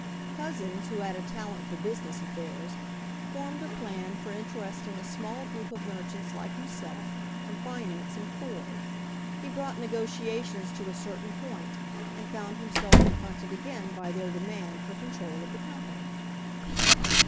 Couzens, who had a talent for business affairs, formed a plan for interesting a small group of other merchants like himself and financing Ford. He brought negotiations to a certain point and found himself confronted again by their demand for control of the company.